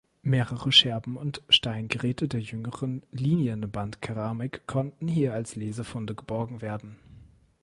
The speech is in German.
Mehrere Scherben und Steingeräte der jüngeren Linienbandkeramik konnten hier als Lesefunde geborgen werden.